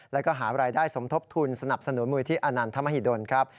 แล้วก็หารายได้สมทบทุนสนับสนมมืออิฐิอนานธรรมฮิโดนครับ